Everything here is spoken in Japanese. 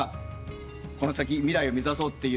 この先未来を目指そうっていう。